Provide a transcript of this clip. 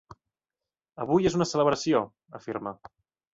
Avui és una celebració, afirma.